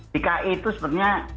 dki itu sebenarnya